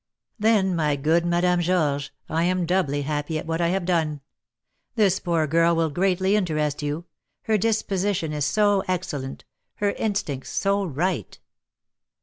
'" "Then, my good Madame Georges, I am doubly happy at what I have done. This poor girl will greatly interest you, her disposition is so excellent, her instincts so right."